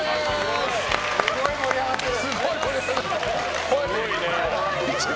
すごい盛り上がってる！